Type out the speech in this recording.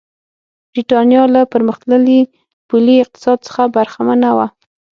برېټانیا له پرمختللي پولي اقتصاد څخه برخمنه وه.